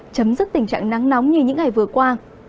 chấm dứt tình trạng nắng nóng như những ngày vừa qua